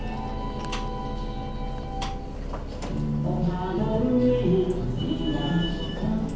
「おかのうえにきがいっぽん」